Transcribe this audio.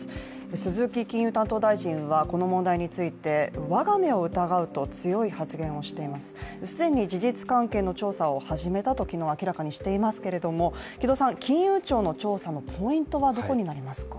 鈴木金融担当大臣はこの件について既に事実関係の調査を始めたと昨日、明らかにしていますけれども金融庁の調査のポイントはどこになりますか？